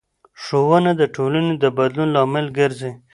ښوونه د ټولنې د بدلون لامل ګرځي